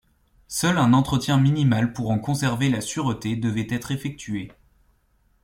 Seul un entretien minimal pour en conserver la sûreté devait être effectué.